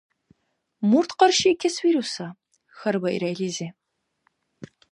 — Мурт къаршиикес вируса? — хьарбаира илизи.